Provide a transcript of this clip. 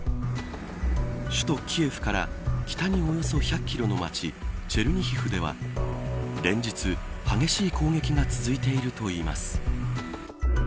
首都キエフから北におよそ１００キロの町チェルニヒフでは連日、激しい攻撃が続いているといいます。